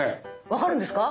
分かるんですか？